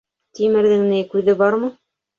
Тимерҙең ни, күҙе бармы?